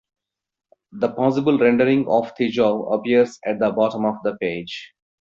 The possible rendering of Tijou appears at the bottom of the page.